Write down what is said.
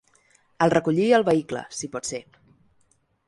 Al recollir el vehicle, si pot ser.